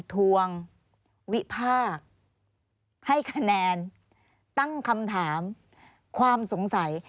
ทวงวิพากษ์ให้คะแนนตั้งคำถามความสงสัย